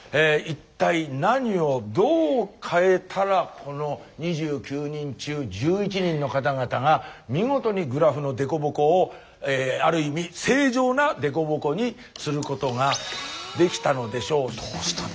一体何をどう変えたらこの２９人中１１人の方々が見事にグラフの凸凹をある意味正常な凸凹にすることができたのでしょうと。